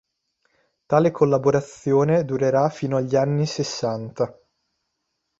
Tale collaborazione durerà fino agli anni sessanta.